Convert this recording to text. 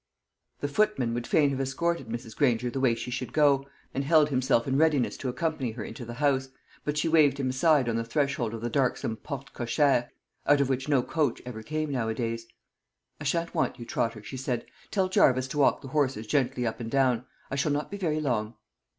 The footman would fain have escorted Mrs. Granger the way she should go, and held himself in readiness to accompany her into the house; but she waved him aside on the threshold of the darksome porte cochère, out of which no coach ever came nowadays. "I shan't want you, Trotter," she said. "Tell Jarvis to walk the horses gently up and down. I shall not be very long."